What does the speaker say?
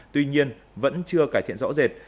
tuy nhiên vẫn chưa cải thiện rõ rệt